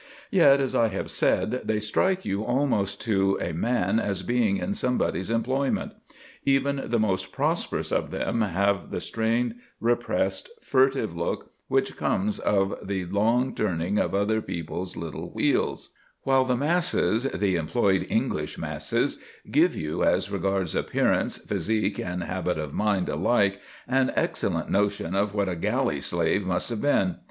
Yet, as I have said, they strike you almost to a man as being in somebody's employment. Even the most prosperous of them have the strained, repressed, furtive look which comes of the long turning of other people's little wheels; while the masses, the employed English masses, give you, as regards appearance, physique, and habit of mind alike, an excellent notion of what a galley slave must have been.